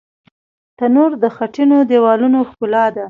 تنور د خټینو دیوالونو ښکلا ده